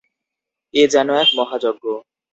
এ যেন এক মহাযজ্ঞ।